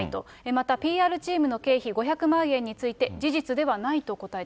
また、ＰＲチームの経費５００万円について、事実ではないと答え